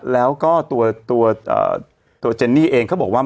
แล้วก็ตัวเจนนี่เองเขาบอกว่า